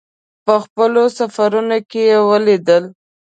په خپلو سفرونو کې یې ولیدل.